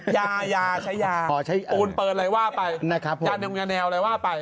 ยายาใช้ยาปูนเปิดอะไรว่าไปอย่าใหนวงแยวอะไรว่าไป